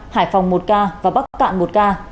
hải phòng một ca và bắc cạn một ca